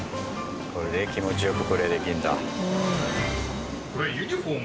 これで気持ちよくプレーできるんだ。